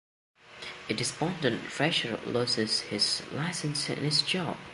A despondent Frasier loses his license and his job.